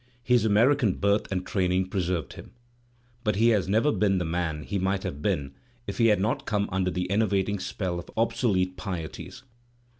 His American birth and training preserved him. But he has never been the man he might have been if he had not come under the ener vating spell of obsolete pieties.